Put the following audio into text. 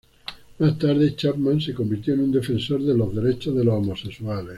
Más tarde, Chapman se convirtió en un defensor de los derechos de los homosexuales.